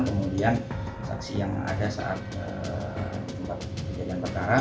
kemudian saksi yang ada saat kejadian perkara